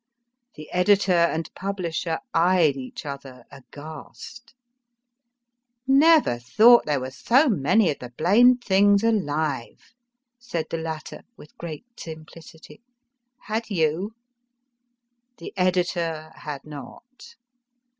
The editor and publisher eyed each other aghast, Never thought there were so many of the blamed things alive, said the latter with great simplicity, had you ? The editor had not.